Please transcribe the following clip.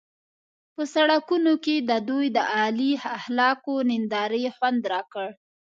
په سړکونو کې د دوی د اعلی اخلاقو نندارې خوند راکړ.